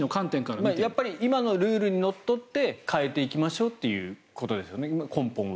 今あるルールにのっとって変えていきましょうということですよね、根本は。